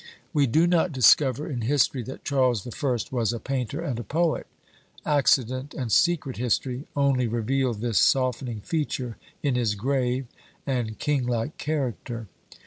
We do not discover in history that Charles the First was a painter and a poet. Accident and secret history only reveal this softening feature in his grave and king like character.